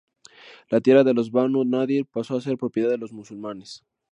La tierra de los Banu Nadir pasó a ser propiedad de los musulmanes.